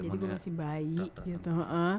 jadi gue masih bayi gitu